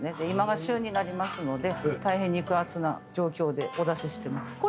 今が旬になりますので大変肉厚な状況でお出ししてます。